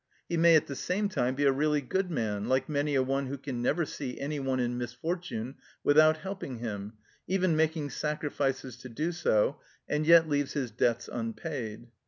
He may at the same time be a really good man, like many a one who can never see any one in misfortune without helping him, even making sacrifices to do so, and yet leaves his debts unpaid.